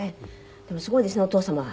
でもすごいですねお父様は。